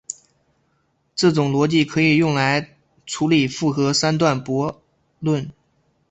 这种逻辑可以用来处理复合三段论悖论。